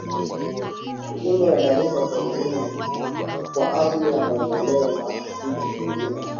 ujumbe na taarifa kwa jamii kwa ajili ya maendeleo na vitu vingine